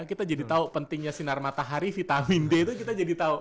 kita jadi tahu pentingnya sinar matahari vitamin d itu kita jadi tahu